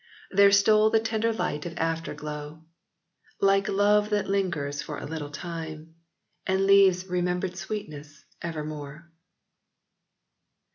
There stole the tender light of after glow — Like love that lingers for a little time, And leaves remembered sweetness evermore.